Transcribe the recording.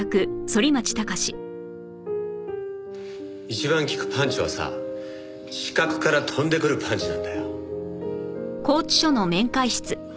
一番効くパンチはさ死角から飛んでくるパンチなんだよ。